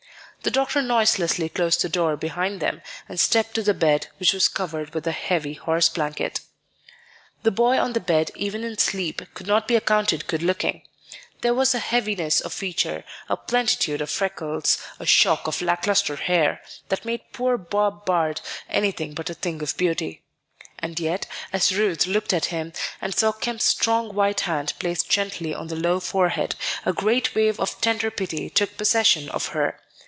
The doctor noiselessly closed the door behind them, and stepped to the bed, which was covered with a heavy horse blanket. The boy on the bed even in sleep could not be accounted good looking; there was a heaviness of feature, a plentitude of freckles, a shock of lack lustre hair, that made poor Bob Bard anything but a thing of beauty. And yet, as Ruth looked at him, and saw Kemp's strong white hand placed gently on the low forehead, a great wave of tender pity took possession of her.